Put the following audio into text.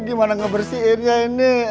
gimana ngebersihinnya ini